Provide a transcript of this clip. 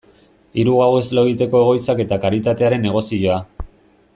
Hiru gauez lo egiteko egoitzak eta karitatearen negozioa.